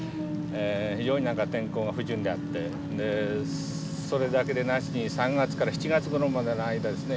非常に何か天候が不順であってそれだけでなしに３月から７月ごろまでの間ですね